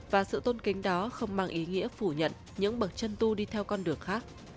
và sự tôn kính đó không mang ý nghĩa phủ nhận những bậc chân tu đi theo con đường khác